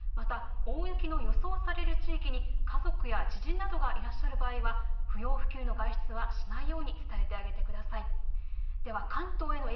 交通への影響に十分注意をしてまた大雪の予想される地域に家族や知人などがいらっしゃる場合は不要不急の外出はしないように伝えてあげてください。